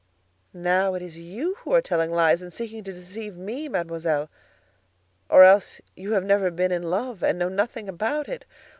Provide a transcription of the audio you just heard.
"Now it is you who are telling lies and seeking to deceive me, Mademoiselle; or else you have never been in love, and know nothing about it.